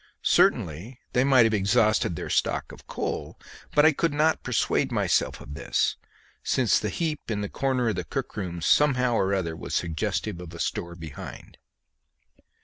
Certainly they might have exhausted their stock of coal, but I could not persuade myself of this, since the heap in the corner of the cook room somehow or other was suggestive of a store behind.